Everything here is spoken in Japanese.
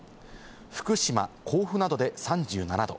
福島、甲府などで３７度。